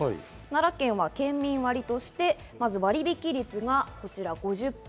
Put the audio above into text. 奈良県は県民割として、まず割引率がこちら５０％。